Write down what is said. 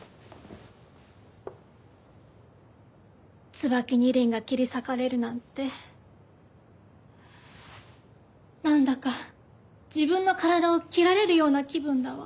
『椿二輪』が切り裂かれるなんてなんだか自分の体を切られるような気分だわ。